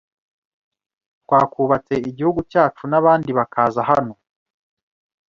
Twakubatse igihugu cyacu n’abandi bakaza hano